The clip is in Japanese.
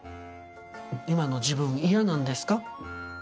今の自分嫌なんですか？